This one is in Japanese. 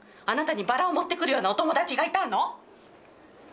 あなたにバラを持ってくるようなお友達がいたの⁉